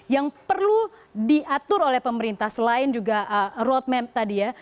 yang perlu diatur oleh pemerintah selain juga roadmap tadi ya